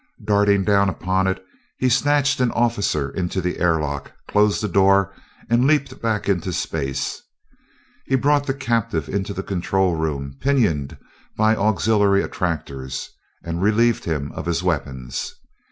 Darting down upon it, he snatched an officer into the airlock, closed the door, and leaped back into space. He brought the captive into the control room pinioned by auxiliary attractors, and relieved him of his weapons.